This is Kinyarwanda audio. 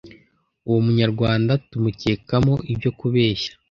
uwo Munyarwanda tumukekamo ibyo kubeshya